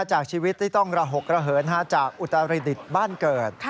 จากชีวิตที่ต้องระหกระเหินจากอุตรดิษฐ์บ้านเกิด